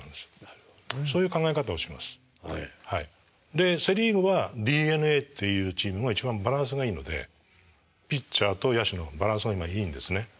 でセ・リーグはＤｅＮＡっていうチームが一番バランスがいいのでピッチャーと野手のバランスが今いいんですね。